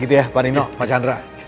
gitu ya pak nino mas chandra